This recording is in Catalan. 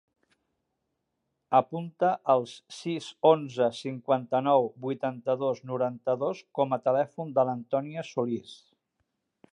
Apunta el sis, onze, cinquanta-nou, vuitanta-dos, noranta-dos com a telèfon de l'Antònia Solis.